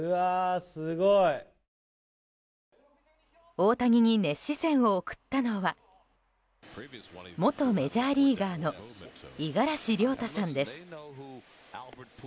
大谷に熱視線を送ったのは元メジャーリーガーの五十嵐亮太さんです。